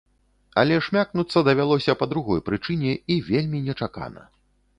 Але шмякнуцца давялося па другой прычыне і вельмі нечакана.